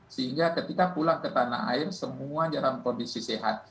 sehingga ketika pulang ke tanah air semua dalam kondisi sehat